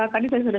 tadi saya sudah